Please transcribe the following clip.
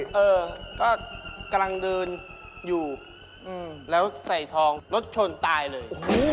ก็กำลังเดินแล้วใส่ทองรถชนตายเลย